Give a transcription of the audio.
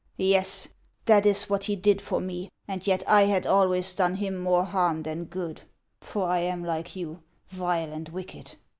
Yes, that is what he did for me, and yet I had always done him more harm than good ; for I am like you, vile and wicked."